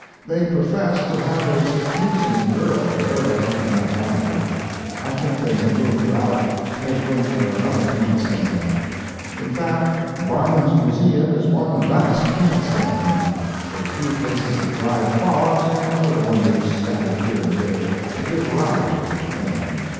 They profess to have a Circassian girl there, but I could not find her. I think they have moved her out, to make room for another peanut stand. In fact, Barnum's Museum is one vast peanut stand now, with a few cases of dried frogs and other wonders scattered here and there, to give variety to the thing.